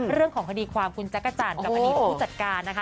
เรื่องของคดีความคุณจักรจันทร์กับอดีตผู้จัดการนะคะ